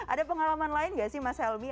ada pengalaman lain gak sih mas helmy